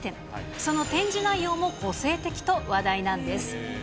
その展示内容も個性的と話題なんです。